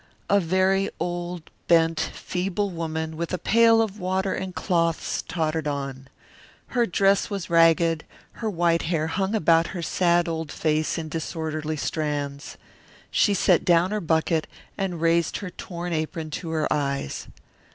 A very old, bent, feeble woman with a pail of water and cloths tottered on. Her dress was ragged, her white hair hung about her sad old face in disorderly strands. She set down her bucket and raised her torn apron to her eyes.